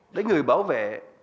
đến người bảo vệ